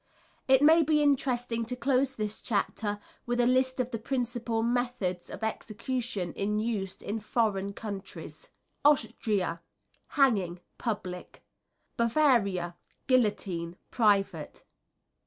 It may be interesting to close this chapter with a list of the principal methods of execution in use in foreign countries. Austria Hanging, public. Bavaria Guillotine, private.